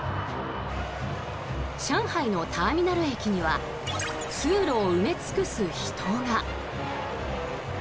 上海のターミナル駅には通路を埋め尽くす人が。